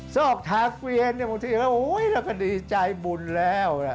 ซอกทาเกวียนบางทีเราก็ดีใจบุญแล้ว